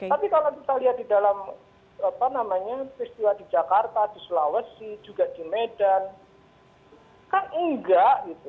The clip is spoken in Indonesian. tapi kalau kita lihat di dalam peristiwa di jakarta di sulawesi juga di medan kan enggak gitu